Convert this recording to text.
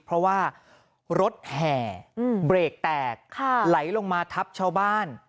เพราะว่ารถแห่เบรกแตกไหลลงมาทับชาวบ้าน